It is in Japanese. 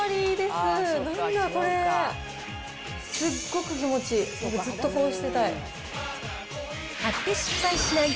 すっごく気持ちいい。